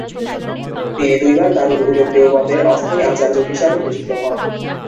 তিনি দুইবার দারুল উলূম দেওবন্দের অস্থায়ী আচার্য হিসাবে নিযুক্ত হন।